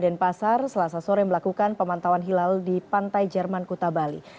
dan pasar selasa sore melakukan pemantauan hilal di pantai jerman kuta bali